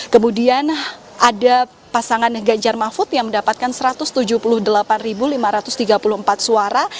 kemudian ada pasangan ganjar mahfud yang mendapatkan satu ratus tujuh puluh delapan lima ratus tiga puluh empat suara